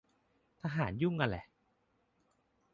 ทหารยุ่งอะไร